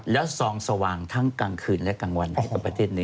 แล้วซองสว่างทั้งกลางคืนและกลางวันให้กับประเทศนี้